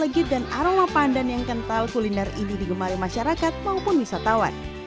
masjid dan aroma pandan yang kental kuliner ini digemari masyarakat maupun wisatawan